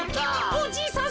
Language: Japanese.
おじいさん